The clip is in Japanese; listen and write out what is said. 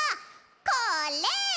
これ！